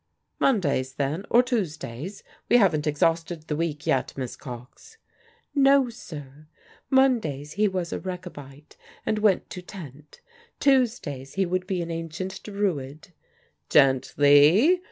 "Mondays then, or Tuesdays? We haven't exhausted the week yet, Miss Cox." "No, sir. Mondays he was a Rechabite and went to tent. Tuesdays he would be an Ancient Druid " "Gently!